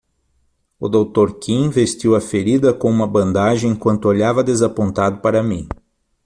O doutor Kim vestiu a ferida com uma bandagem enquanto olhava desapontado para mim.